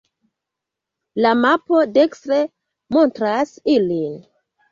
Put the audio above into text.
La mapo dekstre montras ilin.